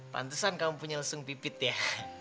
pantesan kamu punya leseng pipit ya